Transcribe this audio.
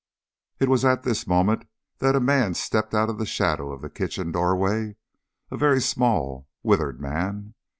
It was at this moment that a man stepped out of the shadow of the kitchen doorway, a very small withered man.